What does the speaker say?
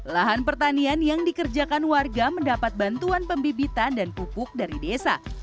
lahan pertanian yang dikerjakan warga mendapat bantuan pembibitan dan pupuk dari desa